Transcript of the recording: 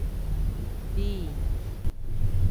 Bii.